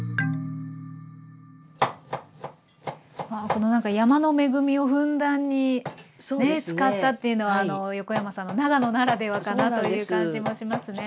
このなんか山の恵みをふんだんに使ったっていうのは横山さんの長野ならではかなという感じもしますね。